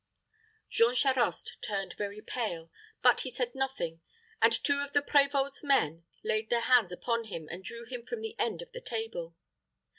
Jean Charost turned very pale, but he said nothing; and two of the prévôt's men laid their hands upon him, and drew him from the end of the table.